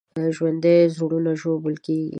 ژوندي زړونه ژوبل کېږي